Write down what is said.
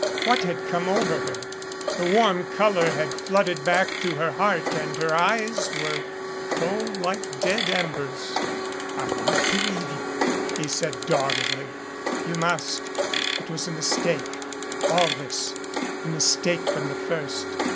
What had come over her? The warm color had flooded back to her heart and her eyes were cold like dead embers. "I won't believe you," he said doggedly. "You must. It was a mistake all this a mistake from the first.